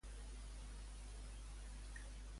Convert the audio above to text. Quina utilitat té, l'IdentiCAT?